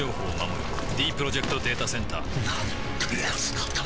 ディープロジェクト・データセンターなんてやつなんだ